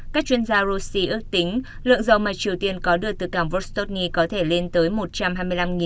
các chuyên gia russia ước tính lượng dầu mà triều tiên có được từ càng vostokny có thể lên tới một trăm hai mươi năm thùng